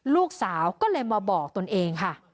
ลูกสาวก็เลยมาบอกตนเองค่ะ